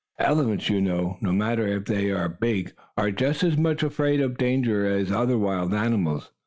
Elephants, you know, no matter if they are big, are just as much afraid of danger as are other wild animals.